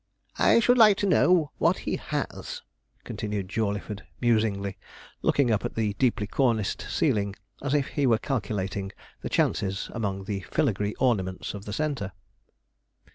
'I should like to know what he has,' continued Jawleyford musingly, looking up at the deeply corniced ceiling as if he were calculating the chances among the filagree ornaments of the centre.